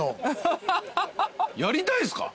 やりたいっすか？